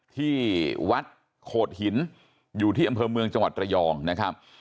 ที่วัดโขดหินอยู่ที่อำเภอเมืองจังหวัดระยองนะครับ